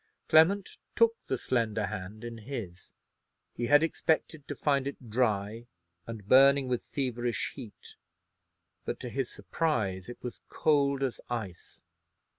Clement took the slender hand in his. He had expected to find it dry and burning with feverish heat; but, to his surprise, it was cold as ice.